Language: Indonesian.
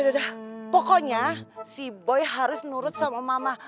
aduh aduh pokoknya si boy harus nurut sama mama